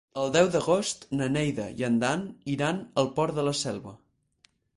El deu d'agost na Neida i en Dan iran al Port de la Selva.